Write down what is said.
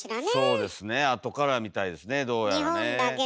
そうですね後からみたいですねどうやらね。